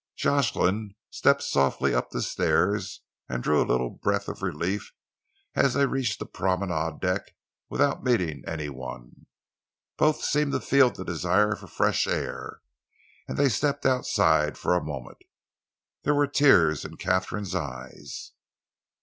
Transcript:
Jocelyn stepped softly up the stairs and drew a little breath of relief as they reached the promenade deck without meeting any one. Both seemed to feel the desire for fresh air, and they stepped outside for a moment. There were tears in Katharine's eyes.